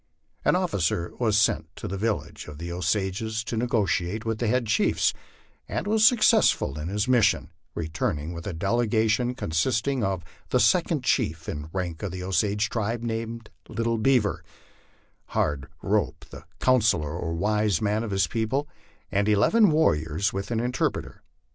An officer was sent to the village of the Osages to negotiate with the head chiefs, and was successful in his mis sion, returning with a delegation consisting of the second chief in rank of the Osage tribe, named " Little Beaver," " Hard Rope," the counsellor or wise man of his people, and eleven warriors, with an interpreter.